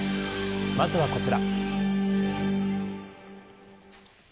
まずはこちら。